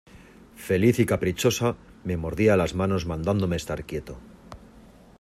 feliz y caprichosa me mordía las manos mandándome estar quieto.